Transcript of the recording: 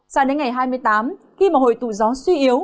sao đến ngày hai mươi tám khi mà hội tụ gió suy yếu